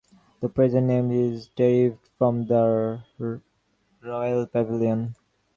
The present name is derived from the Royal Pavilion.